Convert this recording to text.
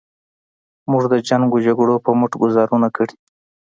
موږ د جنګ و جګړو په مټ ګوزارونه کړي.